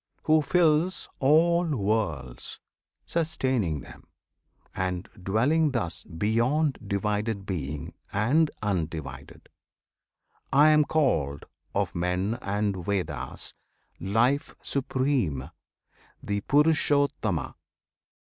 Who fills all worlds, Sustaining them. And dwelling thus beyond Divided Being and Undivided I Am called of men and Vedas, Life Supreme, The PURUSHOTTAMA.